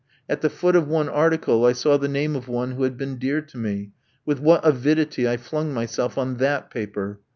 At the foot of one article I saw the name of one who had been dear to me; with what avidity I flung myself on that paper!